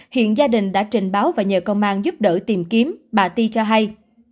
hiện gia đình đã trình báo và nhờ công an giúp đỡ tìm kiếm bà ti cho hay